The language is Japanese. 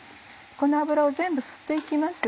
この油を全部吸って行きます。